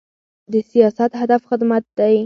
د سیاست هدف خدمت دی